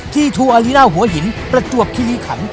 ที่ทูอาริน่าหัวหินประจวบคิริขัน